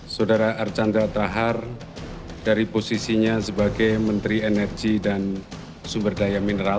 saudara archandra thakar dari posisinya sebagai menteri energi dan sumber daya mineral